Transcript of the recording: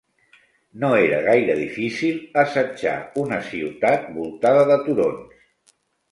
No era gaire difícil assetjar una ciutat voltada de turons.